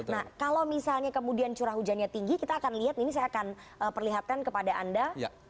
nah kalau misalnya kemudian curah hujannya tinggi kita akan lihat ini saya akan perlihatkan kepada anda